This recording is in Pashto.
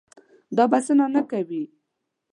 دا بسنه نه کوي.